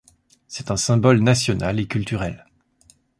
C'est un symbole national et culturel.